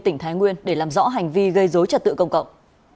tỉnh thái nguyên để làm rõ hành vi gây dối trật tự công cộng